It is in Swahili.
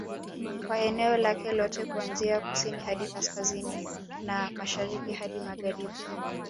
Kwa eneo lake lote kuanzia kusini hadi kaskazini na Mashariki hadi Magharibi